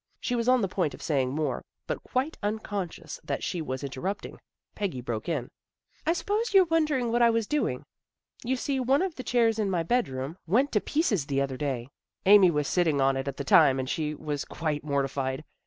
She was on the point of saying more, but quite unconscious that she was interrupting, Peggy broke in. " I suppose you wondered what I was doing. YOU see one" of the chairs in my bed room went 54 THE GIRLS OF FRIENDLY TERRACE to pieces the other day. Amy was sitting on it at the time, and she was quite mortified.